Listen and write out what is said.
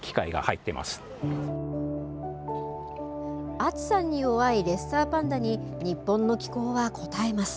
暑さに弱いレッサーパンダに日本の気候はこたえます。